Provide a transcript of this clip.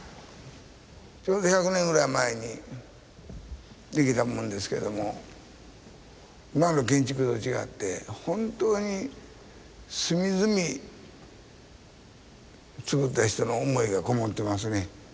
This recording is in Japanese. ちょうど１００年ぐらい前に出来たものですけども今の建築と違って本当に隅々つくった人の思いがこもってますね。